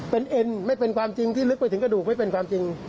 เป็นเอ็นไม่เป็นความจริงที่ลึกไปถึงกระดูกไม่เป็นความจริง